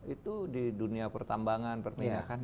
itu di dunia pertambangan pertindakan